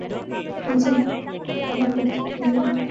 নিজে গেল বেঁচে, গাড়িটা হল জখম, পাঠিয়ে দিল তাকে মেরামত করতে।